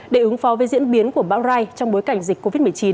để ứng phó với diễn biến của bão rai trong bối cảnh dịch covid một mươi chín